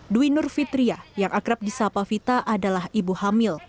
dwi nur fitriah yang akrab di sapa vita adalah ibu hamil